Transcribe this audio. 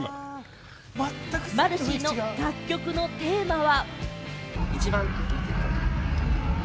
マルシィの楽曲のテーマは。